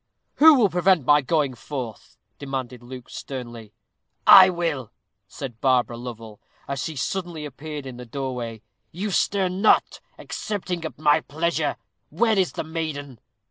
"Who will prevent my going forth?" demanded Luke, sternly. "I will," said Barbara Lovel, as she suddenly appeared in the doorway. "You stir not, excepting at my pleasure. Where is the maiden?"